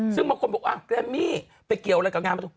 ซึ่งบางคนบอกว่าอ้าวแกรมมี่ไปเกี่ยวอะไรกับงานมาตูม